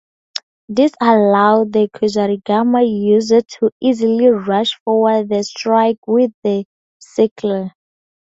This allows the kusarigama user to easily rush forward and strike with the sickle.